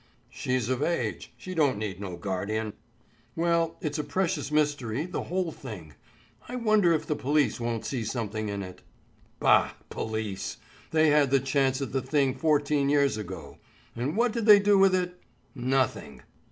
"She's of age; she don't need no guardian." "Well, it's a precious mystery, the whole thing. I wonder if the police won't see something in it?" "Bah, police! They had the chance at the thing fourteen years ago. And what did they do with it? Nothing."